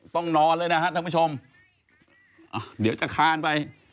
ต้องนอนเลยนะครับท่านผู้ชมเดี๋ยวจะคานไป